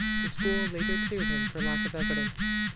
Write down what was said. The school later cleared him for lack of evidence.